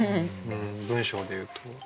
文章でいうと。